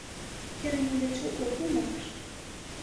Я раней лічыў крыху інакш.